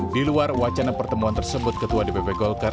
di luar wacana pertemuan tersebut ketua dpp golkar